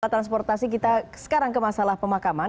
kita transportasi sekarang ke masalah pemakaman